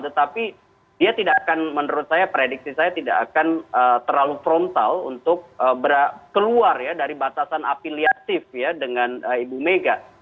tetapi dia tidak akan menurut saya prediksi saya tidak akan terlalu frontal untuk keluar ya dari batasan afiliatif ya dengan ibu mega